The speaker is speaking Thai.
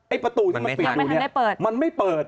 ไอ้ประตูที่มันปิดดูเนี่ยมันไม่ทันได้เปิด